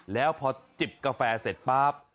แล้วพอจิบกาแฟเสร็จปั๊บ